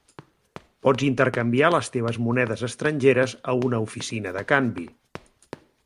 Pots intercanviar les teves monedes estrangeres a una oficina de canvi.